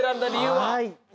はい。